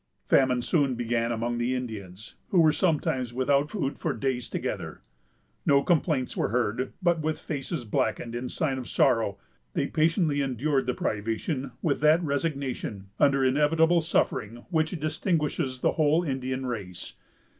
Famine soon began among the Indians, who were sometimes without food for days together. No complaints were heard; but with faces blackened, in sign of sorrow, they patiently endured the privation with that resignation under inevitable suffering, which distinguishes the whole Indian race.